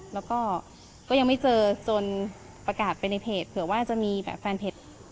แล้วก็ก็ยังไม่เจอจนประกาศไปในเพจเผื่อว่าจะมีแบบแฟนเพจ